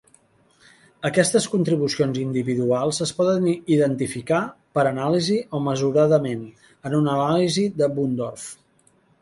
Aquestes contribucions individuals es poden identificar, per anàlisi o mesurament, en una anàlisi de Bundorf.